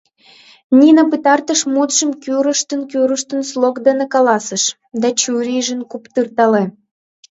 — Нина пытартыш мутшым кӱрыштын-кӱрыштын слог дене каласыш; да чурийжым куптыртале.